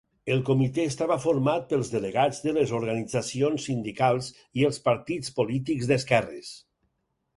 El Comitè estava format pels delegats de les organitzacions sindicals i els partits polítics d'esquerres.